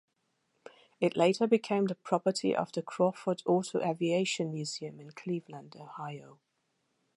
It later became the property of the Crawford Auto-Aviation Museum in Cleveland, Ohio.